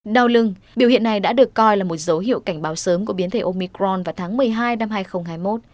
đau lưng biểu hiện này đã được coi là một dấu hiệu cảnh báo sớm của biến thể omicron vào tháng một mươi hai năm hai nghìn hai mươi một